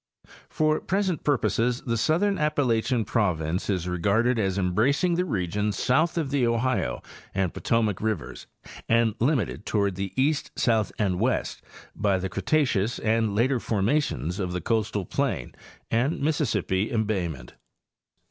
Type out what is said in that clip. For present purposes the southern Appalachian province is regarded as embracing the region south of the Ohio and Potomac rivers and limited toward the east, south, and west by the Cre taceous and the later formations of the coastal plain and Missis sippi embayment.